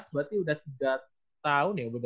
berarti udah tiga tahun ya